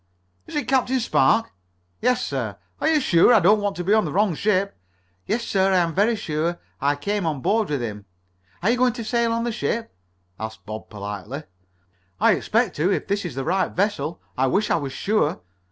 "Is it Captain Spark?" "Yes, sir." "Are you sure? I don't want to be on the wrong ship." "Yes, sir, I am very sure, I came on board with him. Are you going to sail on the ship?" asked Bob politely. "I expect to, if this is the right vessel. I wish I was sure.